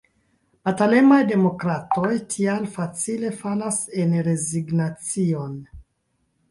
Batalemaj demokratoj tial facile falas en rezignacion.